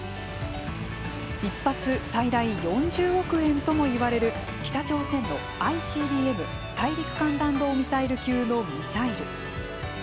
１発、最大４０億円ともいわれる北朝鮮のＩＣＢＭ＝大陸間弾道ミサイル級のミサイル。